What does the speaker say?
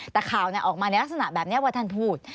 แต่ข่าวออกมาในลักษณะแบบนี้ว่าท่านพูด